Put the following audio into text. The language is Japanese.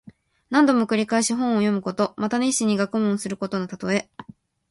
何度も繰り返して本を読むこと。また熱心に学問することのたとえ。